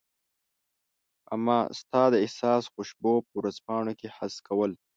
امه ستا د احساس خوشبو په ورځپاڼو کي حس کول